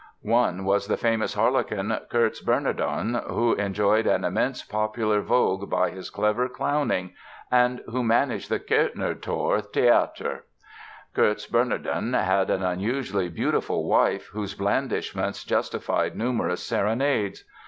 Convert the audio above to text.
One was the famous harlequin, Kurz Bernardon, who enjoyed an immense popular vogue by his clever clowning and who managed the Kärntnertor Theatre. Kurz Bernardon had an unusually beautiful wife, whose blandishments justified numerous serenades.